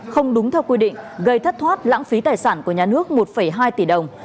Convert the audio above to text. không đúng theo quy định gây thất thoát lãng phí tài sản của nhà nước một hai tỷ đồng